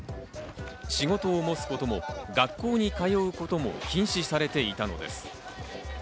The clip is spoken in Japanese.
仕事を持つことも学校に通うことも禁止されていたのです。